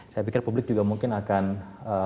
saya pikir publik juga mungkin akan